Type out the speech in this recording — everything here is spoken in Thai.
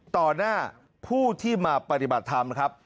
หน้าผู้ที่มาปฏิบัติธรรมนะครับ